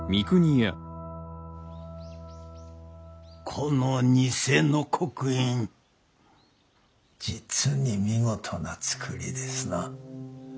この偽の刻印実に見事な作りですな。